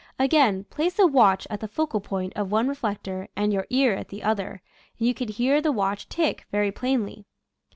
Again, place a watch at the focal point of one reflector and your ear at the other, and you can hear the watch tick very plainly.